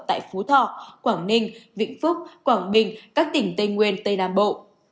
tại phú thọ quảng ninh vĩnh phúc quảng bình các tỉnh tây nguyên tây nam bộ